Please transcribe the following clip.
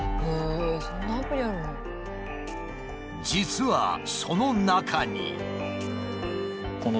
実はその中に。